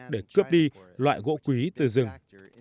để cướp đi loại gỗ quý từ rừng